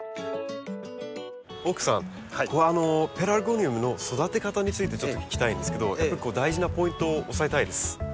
奥さんペラルゴニウムの育て方についてちょっと聞きたいんですけどやっぱり大事なポイントを押さえたいです。